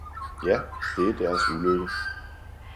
»Ja, det er Deres Ulykke!